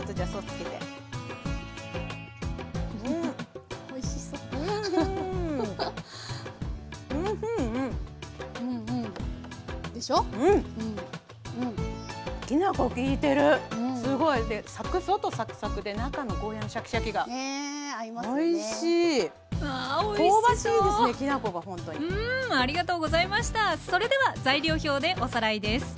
それでは材料表でおさらいです。